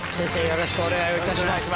よろしくお願いします。